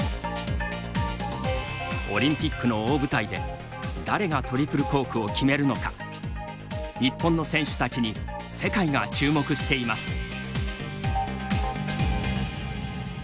オリンピックの大舞台で誰がトリプルコークを決めるのか日本の選手たちに世界が注目しています。